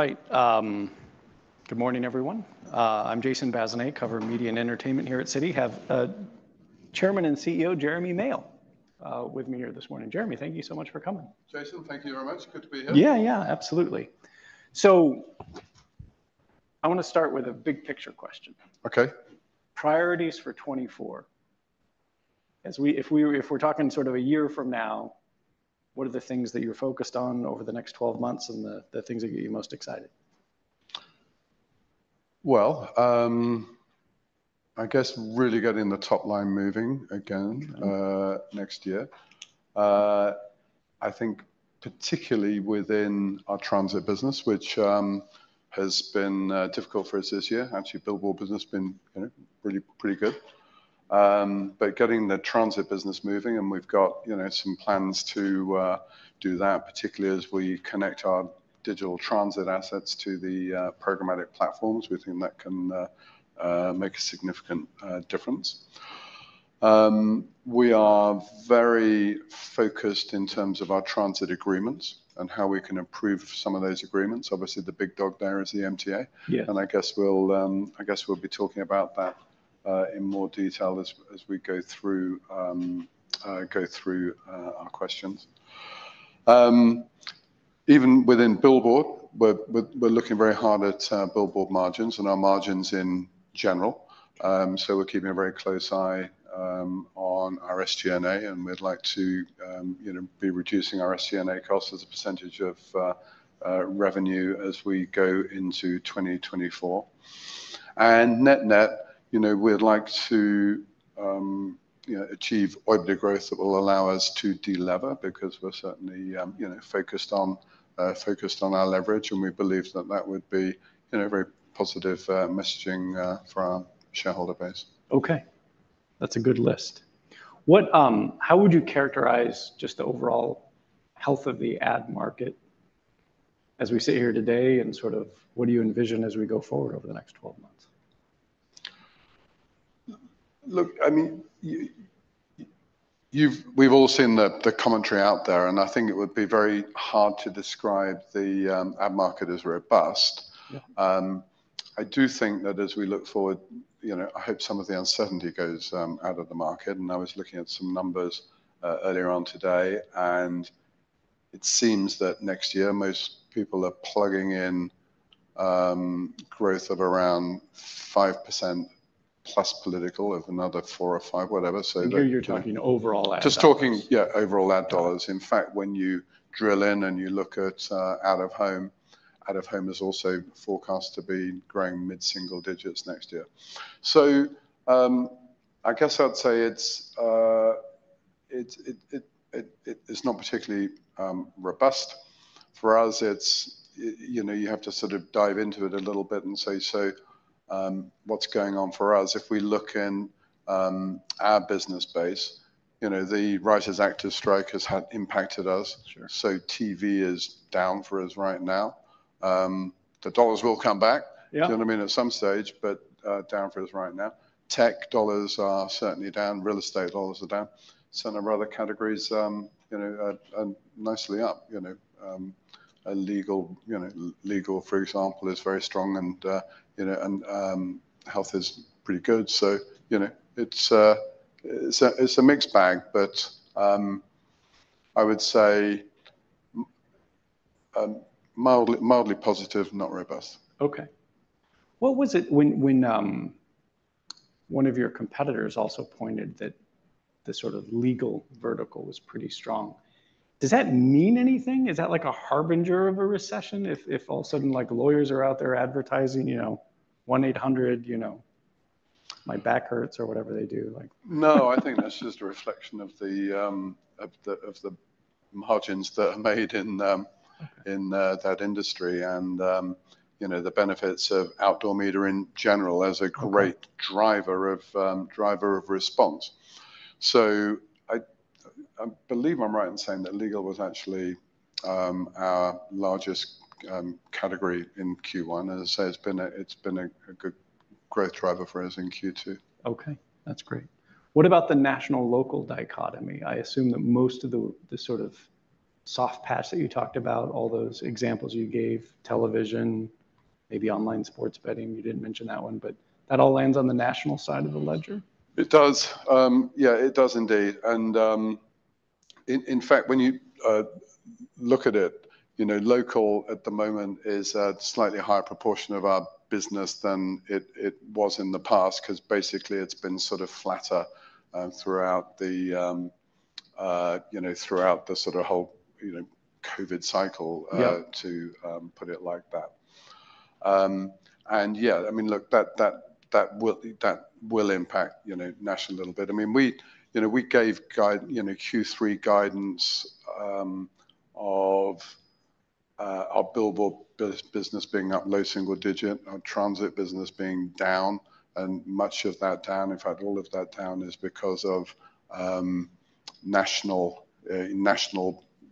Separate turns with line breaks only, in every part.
All right. Good morning, everyone. I'm Jason Bazinet, cover media and entertainment here at Citi. Have Chairman and CEO Jeremy Male with me here this morning. Jeremy, thank you so much for coming.
Jason, thank you very much. Good to be here.
Yeah, yeah, absolutely. So I wanna start with a big picture question.
Okay.
Priorities for 2024. As if we're talking sort of a year from now, what are the things that you're focused on over the next 12 months and the things that get you most excited?
Well, I guess really getting the top line moving again-
Mm-hmm...
next year. I think particularly within our transit business, which has been difficult for us this year. Actually, billboard business been, you know, pretty, pretty good. But getting the transit business moving, and we've got, you know, some plans to do that, particularly as we connect our digital transit assets to the programmatic platforms. We think that can make a significant difference. We are very focused in terms of our transit agreements and how we can improve some of those agreements. Obviously, the big dog there is the MTA.
Yeah.
I guess we'll be talking about that in more detail as we go through our questions. Even within billboard, we're looking very hard at billboard margins and our margins in general. So we're keeping a very close eye on our SG&A, and we'd like to, you know, be reducing our SG&A costs as a percentage of revenue as we go into 2024. Net-net, you know, we'd like to, you know, achieve OIBDA growth that will allow us to delever because we're certainly, you know, focused on our leverage, and we believe that that would be, you know, very positive messaging for our shareholder base.
Okay. That's a good list. What, how would you characterize just the overall health of the ad market as we sit here today, and sort of what do you envision as we go forward over the next 12 months?
Look, I mean, we've all seen the commentary out there, and I think it would be very hard to describe the ad market as robust.
Yeah.
I do think that as we look forward, you know, I hope some of the uncertainty goes out of the market, and I was looking at some numbers earlier on today, and it seems that next year, most people are plugging in growth of around 5% plus political of another 4 or 5, whatever. So the-
Here you're talking overall ad dollars.
Just talking, yeah, overall ad dollars. In fact, when you drill in and you look at out-of-home, out-of-home is also forecast to be growing mid-single digits next year. So, I guess I'd say it's not particularly robust. For us, it's you know, you have to sort of dive into it a little bit and say: So, what's going on for us? If we look in our business base, you know, the writers' and actors' strike has had impacted us.
Sure.
TV is down for us right now. The dollars will come back-
Yeah...
you know what I mean, at some stage, but down for us right now. Tech dollars are certainly down, real estate dollars are down. Certain other categories, you know, are nicely up, you know, legal, for example, is very strong, and you know, health is pretty good. So, you know, it's a mixed bag, but I would say mildly positive, not robust.
Okay. What was it when one of your competitors also pointed that the sort of legal vertical was pretty strong? Does that mean anything? Is that like a harbinger of a recession if all of a sudden, like, lawyers are out there advertising, you know, 1-800, you know, my back hurts or whatever they do, like?
No, I think that's just a reflection of the margins that are made in that industry and, you know, the benefits of outdoor media in general as a great driver of response. So I believe I'm right in saying that legal was actually our largest category in Q1. As I say, it's been a good growth driver for us in Q2.
Okay, that's great. What about the national-local dichotomy? I assume that most of the sort of soft paths that you talked about, all those examples you gave, television, maybe online sports betting, you didn't mention that one, but that all lands on the national side of the ledger?
It does. Yeah, it does indeed. And, in fact, when you look at it, you know, local at the moment is a slightly higher proportion of our business than it was in the past, 'cause basically, it's been sort of flatter throughout the, you know, throughout the sort of whole, you know, COVID cycle-
Yeah...
to put it like that. And yeah, I mean, look, that, that, that will, that will impact, you know, national a little bit. I mean, we, you know, we gave guide, you know, Q3 guidance, of our billboard business being up low single digit, our transit business being down, and much of that down, in fact, all of that down is because of national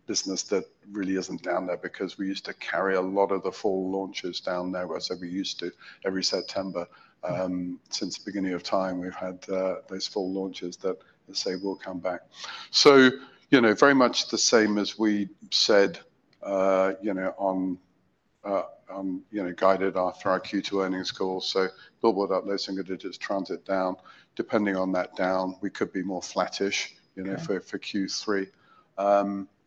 business that really isn't down there, because we used to carry a lot of the fall launches down there. So we used to, every September, since the beginning of time, we've had those fall launches that, let's say, will come back. So, you know, very much the same as we said, you know, guided after our Q2 earnings call. So billboard up low single digits, transit down. Depending on that down, we could be more flattish, you know-
Yeah...
for Q3.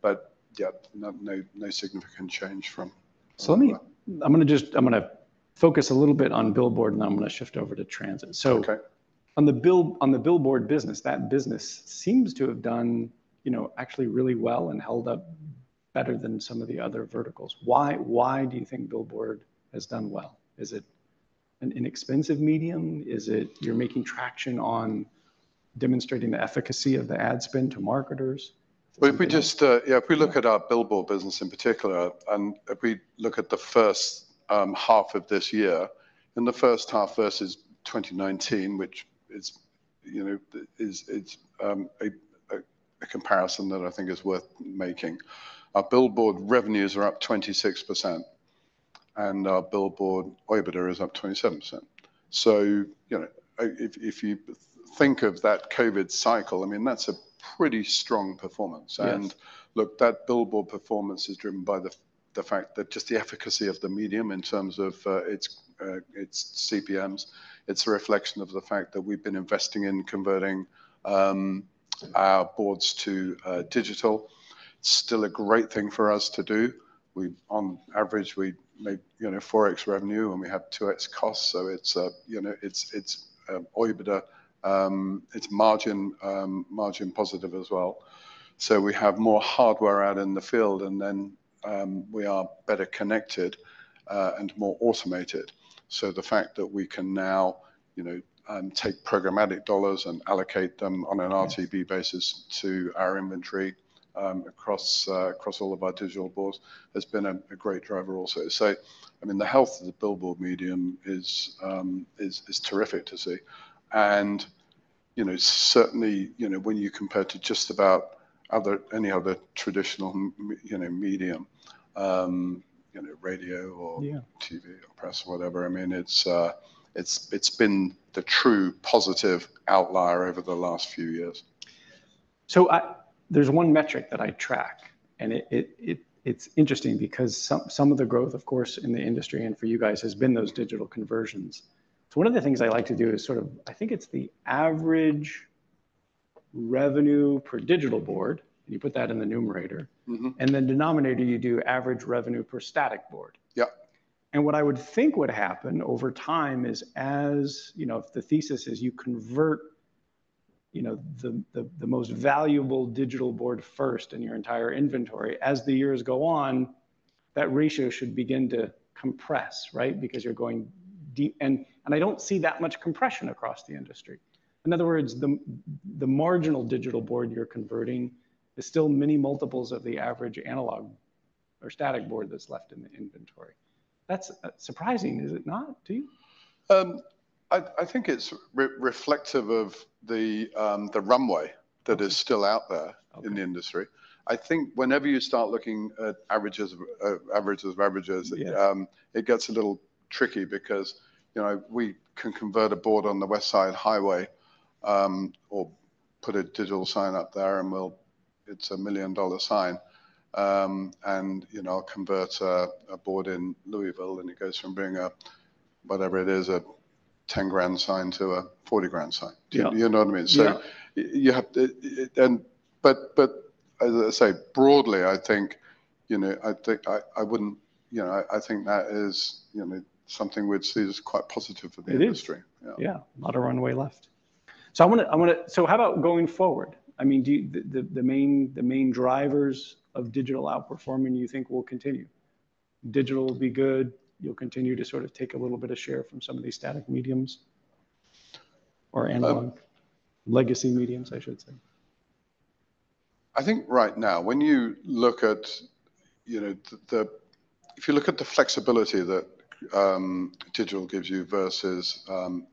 But yeah, no significant change from-
So let me, I'm gonna just, I'm gonna focus a little bit on billboard, and then I'm gonna shift over to transit. So-
Okay.
On the billboard business, that business seems to have done, you know, actually really well and held up better than some of the other verticals. Why, why do you think billboard has done well? Is it an inexpensive medium? Is it you're making traction on demonstrating the efficacy of the ad spend to marketers?
Well, if we just, yeah, if we look at our billboard business in particular, and if we look at the first half of this year, in the first half versus 2019, which is, you know, a comparison that I think is worth making. Our billboard revenues are up 26%, and our billboard EBITDA is up 27%. So, you know, if you think of that COVID cycle, I mean, that's a pretty strong performance.
Yes.
And look, that billboard performance is driven by the fact that just the efficacy of the medium in terms of its CPMs. It's a reflection of the fact that we've been investing in converting our boards to digital. Still a great thing for us to do. On average, we make, you know, 4x revenue, and we have 2x costs, so it's, you know, it's EBITDA, it's margin positive as well. So we have more hardware out in the field, and then we are better connected and more automated. So the fact that we can now, you know, take programmatic dollars and allocate them on an RTB basis to our inventory across all of our digital boards has been a great driver also. So, I mean, the health of the billboard medium is terrific to see. And, you know, certainly, you know, when you compare to just about any other traditional medium, you know, radio or-
Yeah...
TV or press, whatever, I mean, it's been the true positive outlier over the last few years.
So there's one metric that I track, and it's interesting because some of the growth, of course, in the industry and for you guys, has been those digital conversions. So one of the things I like to do is sort of, I think it's the average revenue per digital board, and you put that in the numerator.
Mm-hmm.
And then denominator, you do average revenue per static board.
Yep.
And what I would think would happen over time is, as, you know, if the thesis is you convert, you know, the, the, the most valuable digital board first in your entire inventory, as the years go on, that ratio should begin to compress, right? Because you're going deep, and, and I don't see that much compression across the industry. In other words, the, the marginal digital board you're converting is still many multiples of the average analog or static board that's left in the inventory. That's surprising, is it not to you?
I think it's reflective of the runway that is still out there-
Okay...
in the industry. I think whenever you start looking at averages-
Yeah
It gets a little tricky because, you know, we can convert a board on the West Side Highway, you know, or put a digital sign up there, and we'll—it's a $1 million sign. You know, convert a board in Louisville, and it goes from being a, whatever it is, a $10,000 sign to a $40,000 sign.
Yeah.
You know what I mean?
Yeah.
But as I say, broadly, I think, you know, I think I wouldn't, you know, I think that is, you know, something which is quite positive for the industry.
It is.
Yeah.
Yeah. A lot of runway left. So I wanna... So how about going forward? I mean, do you think the main drivers of digital outperforming will continue? Digital will be good. You'll continue to sort of take a little bit of share from some of these static mediums or analog legacy mediums, I should say.
I think right now, when you look at, you know, the flexibility that digital gives you versus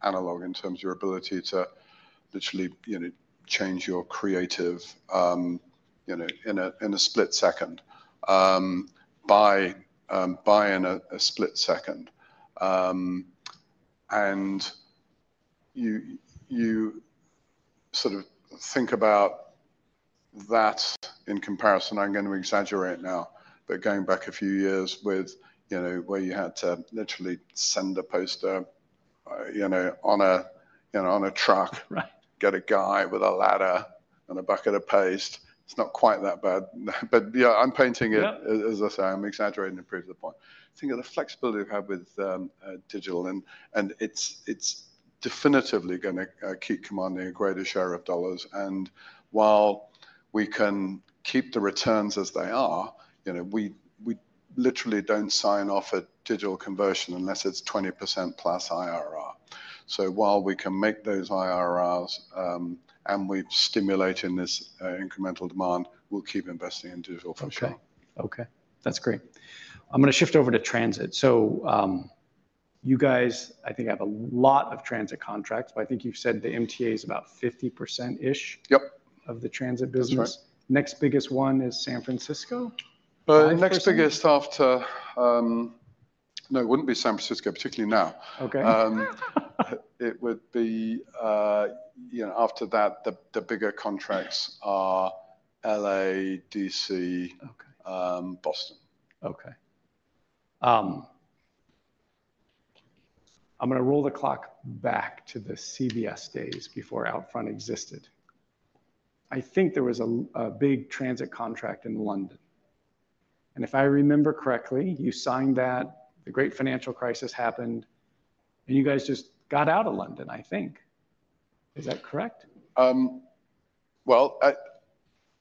analog in terms of your ability to literally, you know, change your creative, you know, in a split second, by in a split second. And you sort of think about that in comparison. I'm gonna exaggerate now, but going back a few years with, you know, where you had to literally send a poster, you know, on a truck.
Right.
Get a guy with a ladder and a bucket of paste. It's not quite that bad, but, yeah, I'm painting it-
Yeah...
as I say, I'm exaggerating to prove the point. Think of the flexibility we have with digital, and it's definitively gonna keep commanding a greater share of dollars. And while we can keep the returns as they are, you know, we literally don't sign off a digital conversion unless it's 20% plus IRR. So while we can make those IRRs, and we're stimulating this incremental demand, we'll keep investing in digital for sure.
Okay. Okay, that's great. I'm gonna shift over to transit. So, you guys, I think, have a lot of transit contracts, but I think you've said the MTA is about 50%-ish-
Yep...
of the transit business.
That's right.
Next biggest one is San Francisco?
No, it wouldn't be San Francisco, particularly now.
Okay.
It would be, you know, after that, the bigger contracts are L.A., D.C.-
Okay.
Um, Boston.
Okay. I'm gonna roll the clock back to the CBS days before OUTFRONT existed. I think there was a big transit contract in London, and if I remember correctly, you signed that, the great financial crisis happened, and you guys just got out of London, I think. Is that correct?
Well,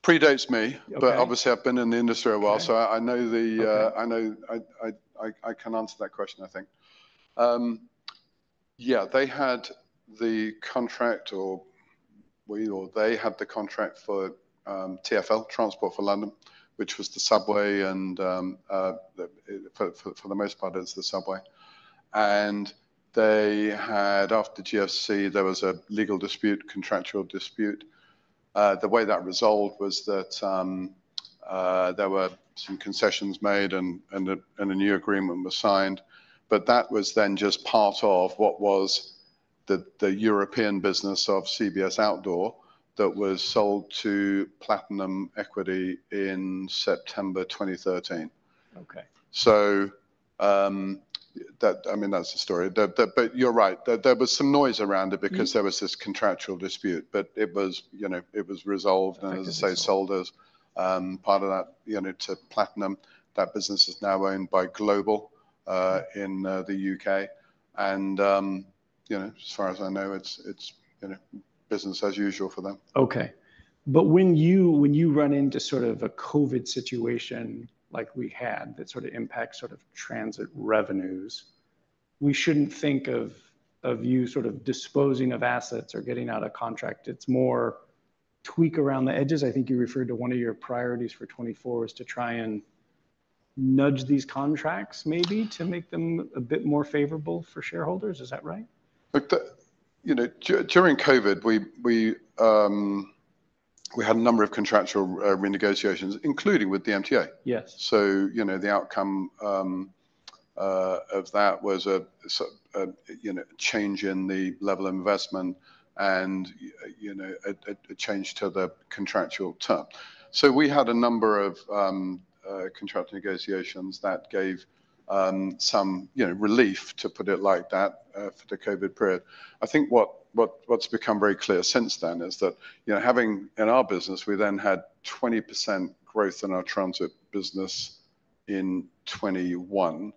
predates me-
Okay.
But obviously, I've been in the industry a while.
Okay.
I know the,
Okay...
I know I can answer that question, I think. Yeah, they had the contract, or we or they had the contract for TfL, Transport for London, which was the subway, and for the most part, it's the subway. And they had, after GFC, there was a legal dispute, contractual dispute. The way that resolved was that there were some concessions made and a new agreement was signed, but that was then just part of what was the European business of CBS Outdoor that was sold to Platinum Equity in September 2013.
Okay.
So, that. I mean, that's the story. But you're right, there was some noise around it-
Mm-hmm...
because there was this contractual dispute, but it was, you know, it was resolved-
I can see....
and as I say, sold as part of that, you know, to Platinum. That business is now owned by Global in the U.K., and, you know, as far as I know, it's, you know, business as usual for them.
Okay. But when you run into sort of a COVID situation like we had, that sort of impacts sort of transit revenues, we shouldn't think of you sort of disposing of assets or getting out of contract. It's more tweak around the edges. I think you referred to one of your priorities for 2024 is to try and nudge these contracts, maybe to make them a bit more favorable for shareholders. Is that right?
Look, you know, during COVID, we had a number of contractual renegotiations, including with the MTA.
Yes.
So, you know, the outcome of that was a, so, you know, change in the level of investment and, you know, a change to the contractual term. So we had a number of contract negotiations that gave some, you know, relief, to put it like that, for the COVID period. I think what's become very clear since then is that, you know, having... In our business, we then had 20% growth in our transit business in 2021,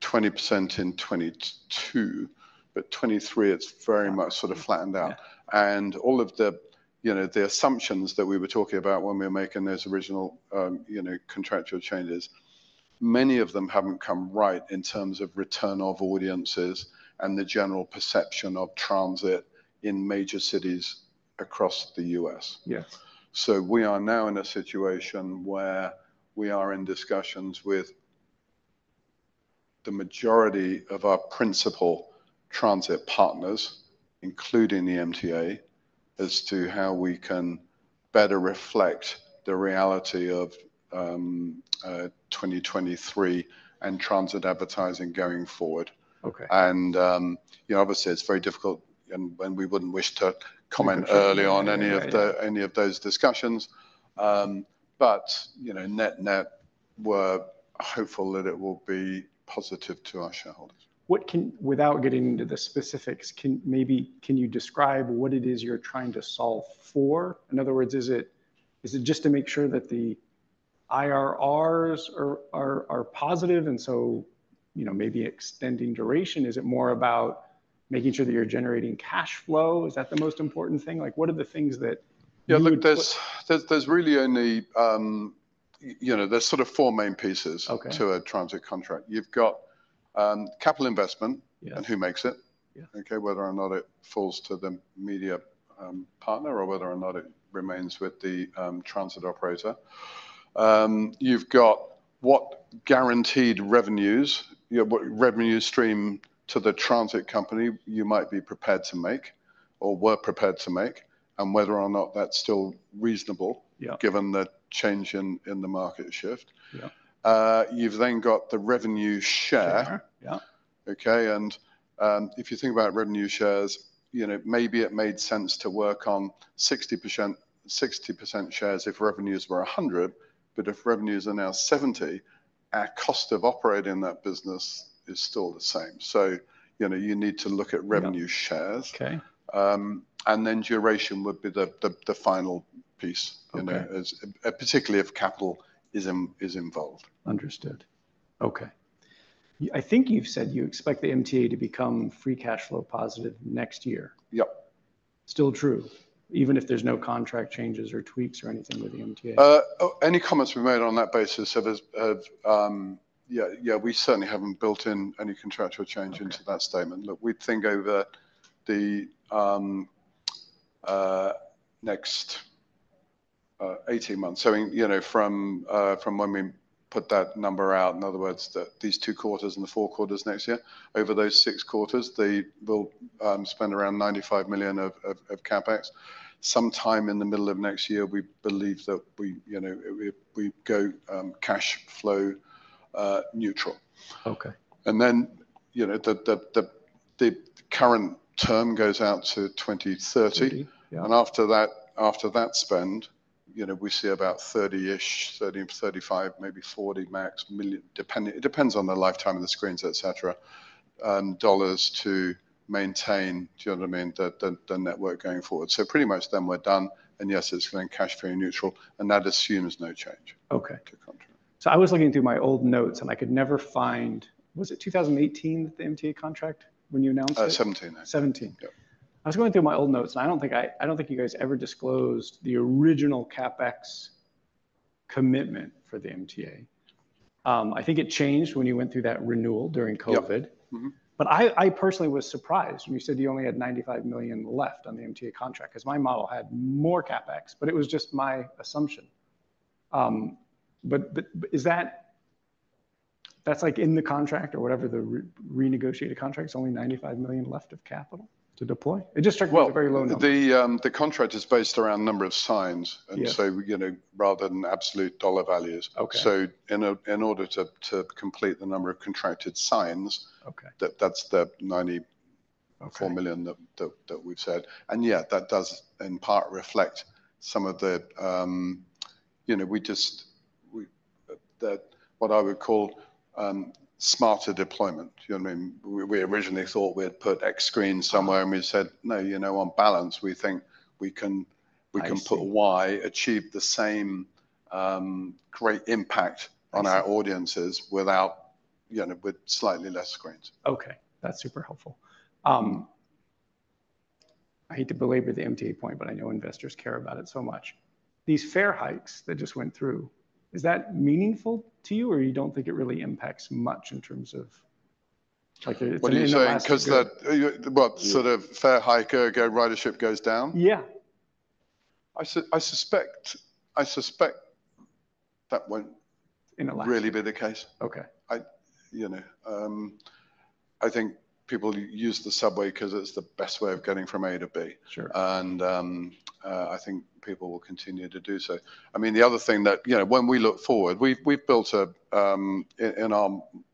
20% in 2022, but 2023, it's very much sort of flattened out.
Yeah.
All of the, you know, the assumptions that we were talking about when we were making those original, you know, contractual changes, many of them haven't come right in terms of return of audiences and the general perception of transit in major cities across the U.S.
Yes.
We are now in a situation where we are in discussions with the majority of our principal transit partners, including the MTA, as to how we can better reflect the reality of 2023 and transit advertising going forward.
Okay.
You know, obviously, it's very difficult, and we wouldn't wish to comment-
Mm-hmm...
early on any of the-
Right...
any of those discussions. But, you know, net, net, we're hopeful that it will be positive to our shareholders.
Without getting into the specifics, can maybe, can you describe what it is you're trying to solve for? In other words, is it, is it just to make sure that the IRRs are, are, are positive, and so, you know, maybe extending duration? Is it more about making sure that you're generating cash flow? Is that the most important thing? Like, what are the things that you-
Yeah, look, there's really only, you know, there's sort of four main pieces-
Okay...
to a transit contract. You've got, capital investment-
Yeah...
and who makes it?
Yeah.
Okay, whether or not it falls to the media partner, or whether or not it remains with the transit operator. You've got what guaranteed revenues, you know, what revenue stream to the transit company you might be prepared to make or were prepared to make, and whether or not that's still reasonable-
Yeah...
given the change in the market shift.
Yeah.
You've then got the revenue share.
Share, yeah.
Okay, and, if you think about revenue shares, you know, maybe it made sense to work on 60%, 60% shares if revenues were $100, but if revenues are now $70, our cost of operating that business is still the same. So, you know, you need to look at revenue shares.
Okay.
And then duration would be the final piece.
Okay...
you know, particularly if capital is involved.
Understood. Okay. I think you've said you expect the MTA to become free cash flow positive next year.
Yep.
Still true, even if there's no contract changes or tweaks or anything with the MTA?
any comments we've made on that basis, so there's, yeah, yeah, we certainly haven't built in any contractual change-
Okay...
into that statement. Look, we'd think over the next 18 months. So, you know, from when we put that number out, in other words, these two quarters and the four quarters next year, over those six quarters, they will spend around $95 million of CapEx. Sometime in the middle of next year, we believe that we, you know, we go cash flow neutral.
Okay.
Then, you know, the current term goes out to 2030.
Yeah.
After that spend, you know, we see about $30-ish, $30, $35, maybe $40 max million, depending - it depends on the lifetime of the screens, et cetera, and dollars to maintain. Do you know what I mean? The network going forward. So pretty much then we're done. And yes, it's going cash flow neutral, and that assumes no change-
Okay.
-to contract.
I was looking through my old notes, and I could never find... Was it 2018, the MTA contract when you announced it?
Uh, seventeen.
Seventeen.
Yeah.
I was going through my old notes, and I don't think you guys ever disclosed the original CapEx commitment for the MTA. I think it changed when you went through that renewal during COVID.
Yep. Mm-hmm.
But I personally was surprised when you said you only had $95 million left on the MTA contract, because my model had more CapEx, but it was just my assumption. But is that like in the contract or whatever, the re-negotiated contract is only $95 million left of capital to deploy? It just struck me as a very low number.
Well, the contract is based around number of signs-
Yes...
and so, you know, rather than absolute dollar values.
Okay.
So, in order to complete the number of contracted signs-
Okay...
that, that's the ninety-
Okay
$4 million that we've said. And yeah, that does in part reflect some of the, you know, that what I would call smarter deployment. Do you know what I mean? We originally thought we'd put X screen somewhere, and we said: "No, you know, on balance, we think we can-
I see.
-we can put Y, achieve the same, great impact-
I see
on our audiences without, you know, with slightly less screens.
Okay, that's super helpful. I hate to belabor the MTA point, but I know investors care about it so much. These fare hikes that just went through, is that meaningful to you, or you don't think it really impacts much in terms of like it's-
What are you saying, because the, well, sort of fare hike ridership goes down?
Yeah.
I suspect that won't-
In a last-
really be the case.
Okay.
You know, I think people use the subway because it's the best way of getting from A to B.
Sure.
I think people will continue to do so. I mean, the other thing that, you know, when we look forward, we've built a in our,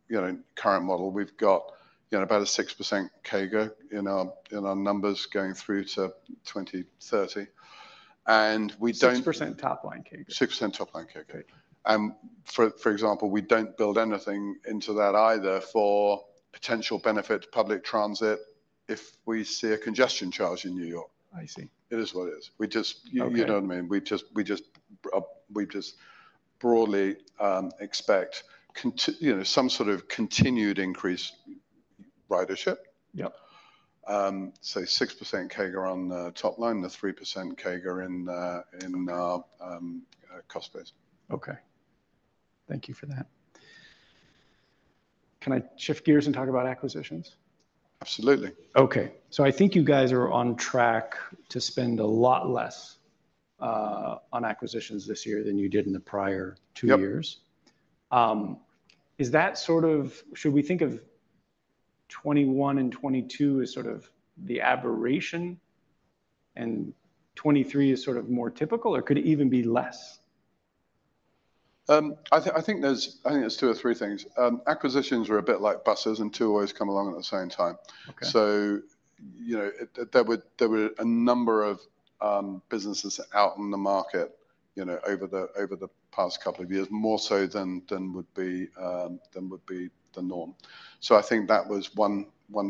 you know, current model, we've got, you know, about a 6% CAGR in our numbers going through to 2030, and we don't-
6% top-line CAGR?
6% top line CAGR.
Okay.
For example, we don't build anything into that either for potential benefit to public transit if we see a congestion charge in New York.
I see.
It is what it is. We just-
Okay.
You know what I mean? We just broadly expect, you know, some sort of continued increased ridership.
Yep.
Say, 6% CAGR on the top line, 3% CAGR in our, -
Okay...
cost base.
Okay. Thank you for that. Can I shift gears and talk about acquisitions?
Absolutely.
Okay. So I think you guys are on track to spend a lot less on acquisitions this year than you did in the prior two years.
Yep.
Is that sort of... Should we think of 2021 and 2022 as sort of the aberration, and 2023 is sort of more typical, or could it even be less?
I think it's two or three things. Acquisitions are a bit like buses, and two always come along at the same time.
Okay.
So, you know, there were a number of businesses out in the market, you know, over the past couple of years, more so than would be the norm. So I think that was one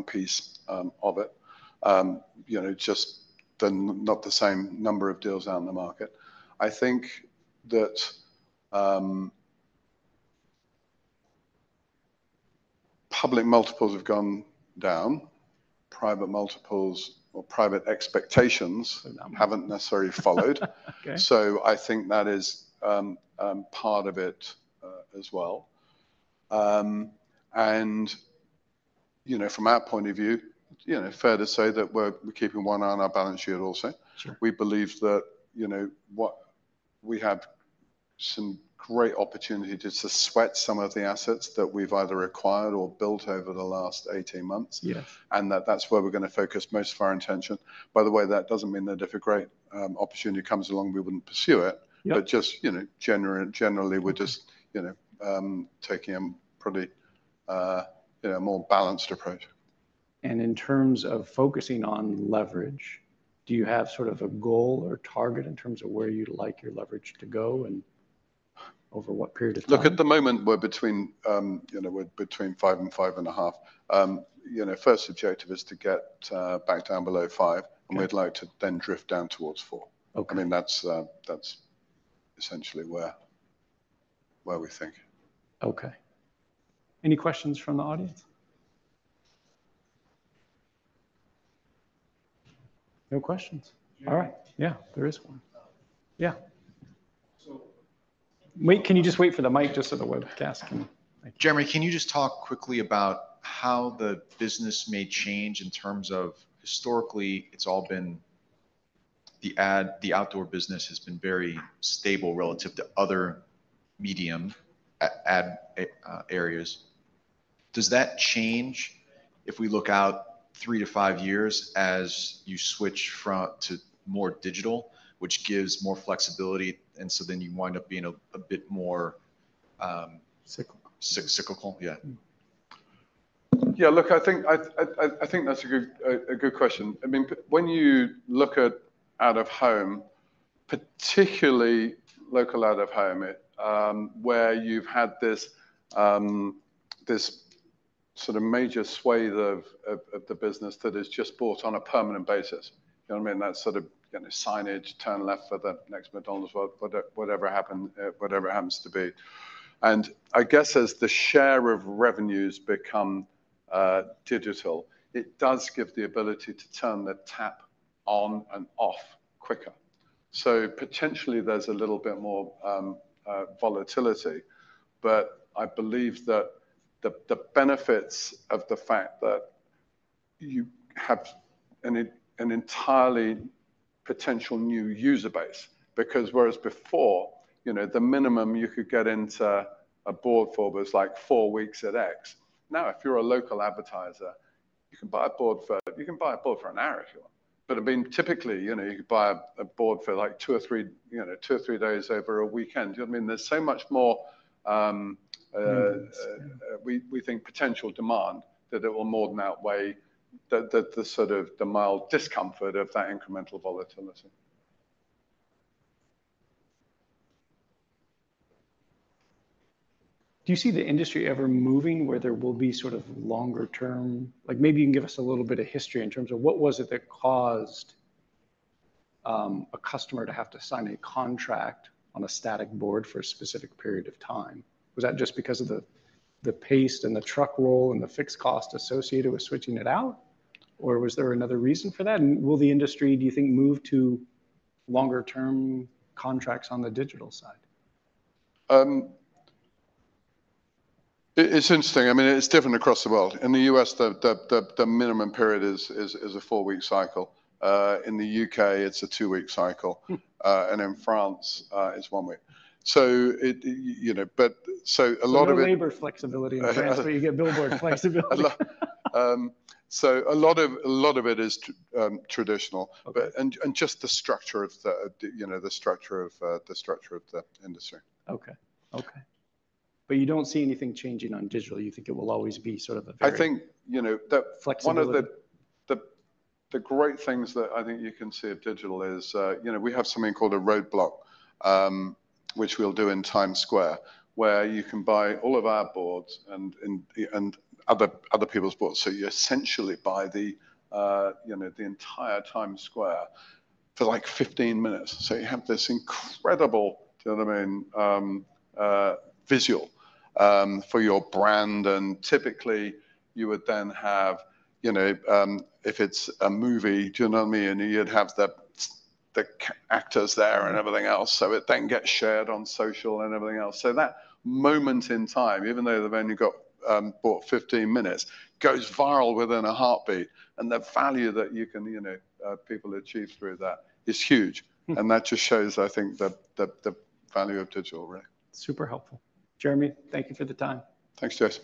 piece of it. You know, just not the same number of deals out in the market. I think that public multiples have gone down, private multiples or private expectations-
Um
haven't necessarily followed.
Okay.
I think that is part of it as well. You know, from our point of view, you know, fair to say that we're keeping one eye on our balance sheet also.
Sure.
We believe that, you know, we have some great opportunity to sweat some of the assets that we've either acquired or built over the last 18 months.
Yes.
That's where we're gonna focus most of our intention. By the way, that doesn't mean that if a great opportunity comes along, we wouldn't pursue it.
Yep.
But just, you know, generally, we're just, you know, taking a pretty, you know, more balanced approach.
In terms of focusing on leverage, do you have sort of a goal or target in terms of where you'd like your leverage to go, and over what period of time?
Look, at the moment, we're between, you know, we're between 5 and 5.5. You know, first objective is to get, back down below 5-
Okay...
and we'd like to then drift down towards four.
Okay.
I mean, that's essentially where we're thinking.
Okay. Any questions from the audience? No questions.
Yeah.
All right. Yeah, there is one.
Uh-
Yeah.
So-
Wait, can you just wait for the mic just so the webcast can...
Jeremy, can you just talk quickly about how the business may change in terms of historically, it's all been the ad—the outdoor business has been very stable relative to other media, ad areas. Does that change if we look out three to five years as you switch from to more digital, which gives more flexibility, and so then you wind up being a bit more-
...um, cyclical.
Cyclical, yeah.
Mm-hmm.
Yeah, look, I think that's a good question. I mean, when you look at out-of-home, particularly local out-of-home, where you've had this sort of major swathe of the business that is just bought on a permanent basis. You know what I mean? That sort of, you know, signage, turn left for the next McDonald's, whatever it happens to be. And I guess as the share of revenues become digital, it does give the ability to turn the tap on and off quicker. So potentially there's a little bit more volatility, but I believe that the benefits of the fact that you have an entirely potential new user base, because whereas before, you know, the minimum you could get into a board for was like four weeks at X. Now, if you're a local advertiser, you can buy a board for-- you can buy a board for an hour if you want. But I mean, typically, you know, you could buy a board for like two or three, you know, two or three days over a weekend. I mean, there's so much more,
Mm-hmm...
we think potential demand that it will more than outweigh the sort of mild discomfort of that incremental volatility.
Do you see the industry ever moving where there will be sort of longer term...? Like, maybe you can give us a little bit of history in terms of what was it that caused, a customer to have to sign a contract on a static board for a specific period of time? Was that just because of the pace and the truck roll and the fixed cost associated with switching it out, or was there another reason for that? And will the industry, do you think, move to longer-term contracts on the digital side?
It's interesting. I mean, it's different across the world. In the U.S., the minimum period is a four-week cycle. In the U.K., it's a two-week cycle.
Mm.
And in France, it's one week. So it, you know, but, so a lot of-
So no labor flexibility in France, but you get billboard flexibility.
So a lot of, a lot of it is traditional.
Okay.
But just the structure of the industry, you know.
Okay. Okay. But you don't see anything changing on digital. You think it will always be sort of a very-
I think, you know, the-
-flexibility...
one of the great things that I think you can see of digital is, you know, we have something called a Roadblock, which we'll do in Times Square, where you can buy all of our boards and other people's boards. So you essentially buy the, you know, the entire Times Square for like 15 minutes. So you have this incredible, do you know what I mean, visual, for your brand, and typically you would then have, you know, if it's a movie, do you know what I mean? And you'd have the actors there and everything else, so it then gets shared on social and everything else. So that moment in time, even though they've only got about 15 minutes, goes viral within a heartbeat, and the value that you can, you know, people achieve through that is huge.
Mm.
That just shows, I think, the value of digital, right?
Super helpful. Jeremy, thank you for the time.
Thanks, Jason.